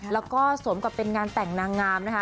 แล้วก็สวมกับเป็นงานแต่งนางงามนะคะ